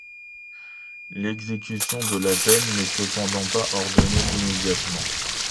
L’exécution de la peine n'est cependant pas ordonnée immédiatement.